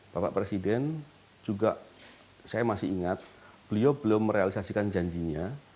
bapak presiden juga saya masih ingat beliau belum merealisasikan janjinya